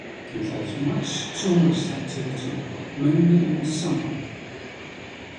It has much tourist activity mainly in the summer.